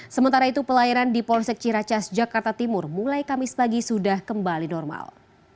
sementara itu pelayanan di polsek ciracas jakarta timur mulai kamis pagi sudah kembali normal